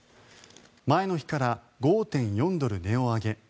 前の日から５．４ドル値を上げ